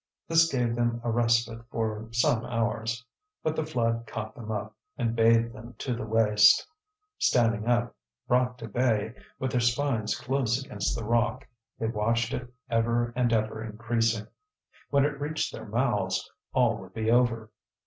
This gave them a respite for some hours. But the flood caught them up, and bathed them to the waist. Standing up, brought to bay, with their spines close against the rock, they watched it ever and ever increasing. When it reached their mouths, all would be over.